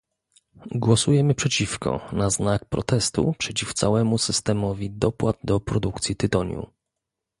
Głosujemy przeciwko na znak protestu przeciw całemu systemowi dopłat do produkcji tytoniu